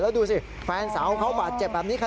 แล้วดูสิแฟนสาวเขาบาดเจ็บแบบนี้ค่ะ